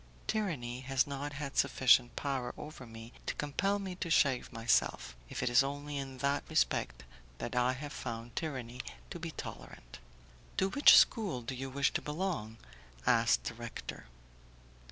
Tyranny has not had sufficient power over me to compel me to shave myself; it is only in that respect that I have found tyranny to be tolerant. "To which school do you wish to belong?" asked the rector.